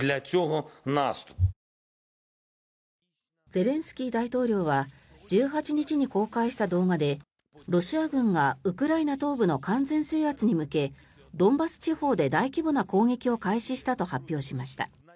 ゼレンスキー大統領は１８日に公開した動画でロシア軍がウクライナ東部の完全制圧に向けドンバス地方で大規模な攻撃を開始したと発表しました。